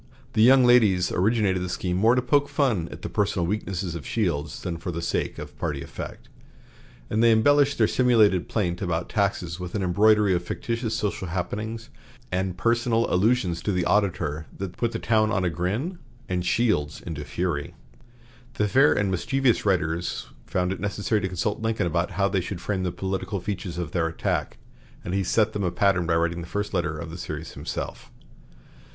The young ladies originated the scheme more to poke fun at the personal weaknesses of Shields than for the sake of party effect, and they embellished their simulated plaint about taxes with an embroidery of fictitious social happenings and personal allusions to the auditor that put the town on a grin and Shields into fury. The fair and mischievous writers found it necessary to consult Lincoln about how they should frame the political features of their attack, and he set them a pattern by writing the first letter of the series himself.